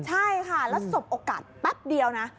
ใช่ค่ะแล้วสบโอกาสแป๊บเดียวนะ